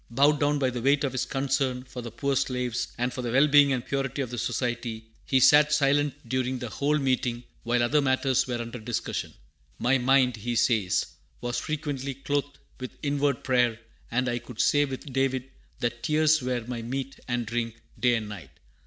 Bowed down by the weight of his concern for the poor slaves and for the well being and purity of the Society, he sat silent during the whole meeting, while other matters were under discussion. "My mind," he says, "was frequently clothed with inward prayer; and I could say with David that 'tears were my meat and drink, day and night.'